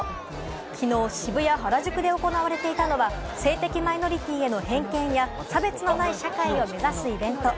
昨日、渋谷・原宿で行われていたのは、性的マイノリティへの偏見や、差別のない社会を目指すイベント。